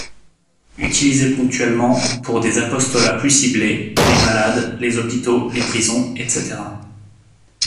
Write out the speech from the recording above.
Utilisées ponctuellement, pour des apostolats plus ciblés: les malades, les hôpitaux, les prisons, etc.